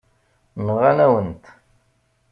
Nɣan-awen-t.